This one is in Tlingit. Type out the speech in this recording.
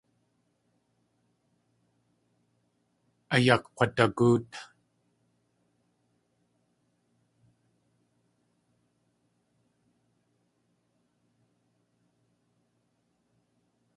Ayakg̲wadagóot.